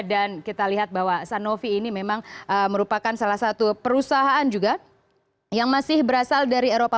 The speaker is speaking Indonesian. dan kita lihat bahwa sanofi ini memang merupakan salah satu perusahaan juga yang masih berasal dari eropa